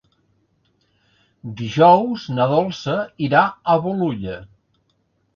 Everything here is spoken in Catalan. Dijous na Dolça irà a Bolulla.